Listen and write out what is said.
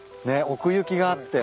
奥行きがあって。